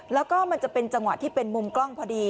แล้วจังหวัดจะเป็นมุมกล้องพอดี